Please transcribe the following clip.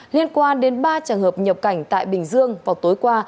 liên quan đến ba trường hợp nhập cảnh tại bình dương vào tối qua